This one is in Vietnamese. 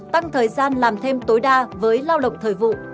tăng thời gian làm thêm tối đa với lao động thời vụ